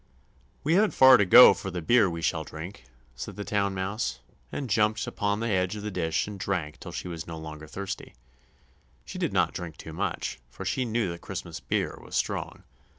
"We haven't far to go for the beer we shall drink," said the Town Mouse, and jumped upon the edge of the dish and drank till she was no longer thirsty; she did not drink too much, for she knew the Christmas beer was strong.